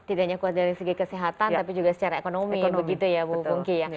tidak hanya kuat dari segi kesehatan tapi juga secara ekonomi begitu ya bu pungki ya